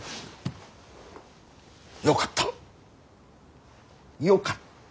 よかったよかった。